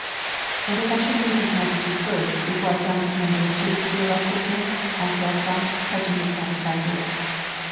"And if I should meet his majesty first, before I found the commander in chief, your illustriousness ?" asked Rostof, touching his cap visor.